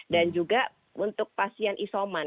dan juga untuk pasien isoman